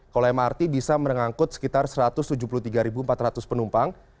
kalau mrt bisa mengangkut sekitar satu ratus tujuh puluh tiga empat ratus penumpang